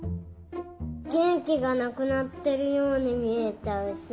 げんきがなくなってるようにみえちゃうし。